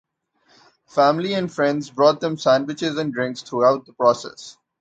Family and friends brought them sandwiches and drinks throughout the process.